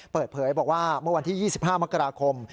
เปิดเผยบอกว่าเมื่อวันที่๒๕มกราคม